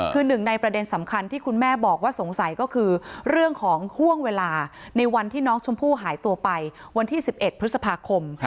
คือหนึ่งในประเด็นสำคัญที่คุณแม่บอกว่าสงสัยก็คือเรื่องของห่วงเวลาในวันที่น้องชมพู่หายตัวไปวันที่๑๑พฤษภาคม